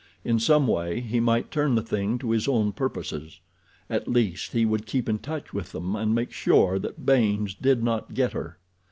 In some way he might turn the thing to his own purposes. At least he would keep in touch with them and make sure that Baynes did not get her.